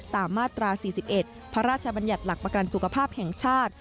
มาตรา๔๑พระราชบัญญัติหลักประกันสุขภาพแห่งชาติ